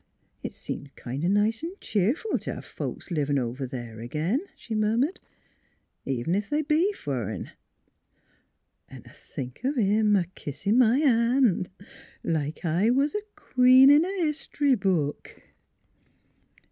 " It seems kind o' nice V cheerful t' hev folks livin' over there agin," she murmured, " even ef they be fur'n. ... An' t' think o' him a kissin' my han' like I was a queen in a hist'ry book."